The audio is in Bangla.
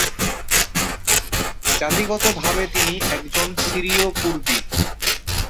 জাতিগত ভাবে তিনি একজন সিরীয় কুর্দি।